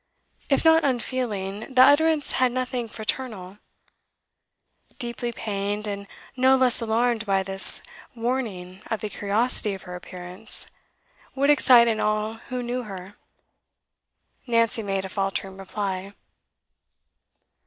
If not unfeeling, the utterance had nothing fraternal. Deeply pained, and no less alarmed by this warning of the curiosity her appearance would excite in all who knew her, Nancy made a faltering reply.